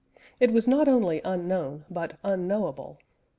It was not only unknown but unknowable.